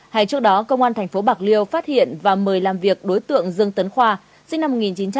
hãy trước đó công an thành phố bạc liêu phát hiện và mời làm việc đối tượng dương tấn khoa sinh năm một nghìn chín trăm chín mươi ba